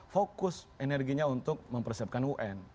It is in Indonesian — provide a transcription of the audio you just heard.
fokus energinya untuk mempersiapkan un